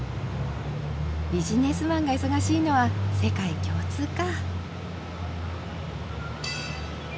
ビジネスマンが忙しいのは世界共通か。